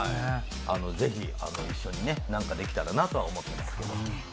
ぜひ、一緒になんかできたらなとは思ってますけど。